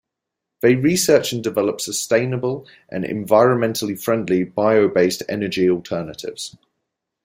They research and develop sustainable and environmentally friendly bio-based energy alternatives.